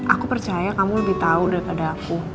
aku percaya kamu lebih tahu daripada aku